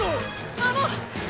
あの！